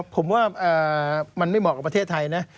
ผมว่ามันไม่เหมาะกับประเทศไทยนะ